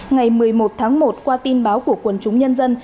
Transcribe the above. ngày một mươi một tháng một qua tin báo của quần chúng nhân dân